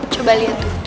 coba lihat tuh